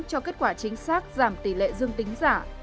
cho kết quả chính xác giảm tỷ lệ dương tính giả